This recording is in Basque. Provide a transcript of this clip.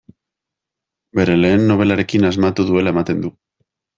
Bere lehen nobelarekin asmatu duela ematen du.